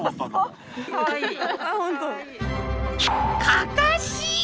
かかし！？